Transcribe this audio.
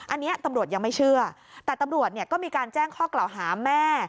อันนี้ตำรวจยังไม่เชื่อแต่ตำรวจเนี่ยก็มีการแจ้งข้อกล่าวหาแม่